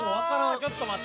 ちょっと待って。